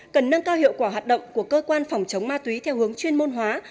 cần nâng cao hiệu quả hoạt động của cơ quan phòng chống ma túy theo hướng chuyên môn hóa